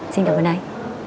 xin cảm ơn anh